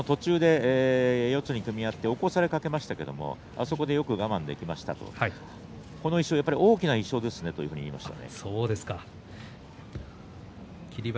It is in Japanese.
途中で四つに組み合って起こされかけましたけれどもそこでよく我慢できましたとこの１勝は大きな１勝ですねと言っていました。